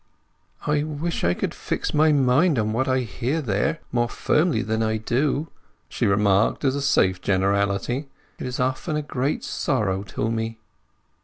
"I wish I could fix my mind on what I hear there more firmly than I do," she remarked as a safe generality. "It is often a great sorrow to me."